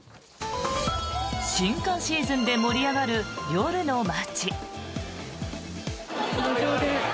新歓シーズンで盛り上がる夜の街。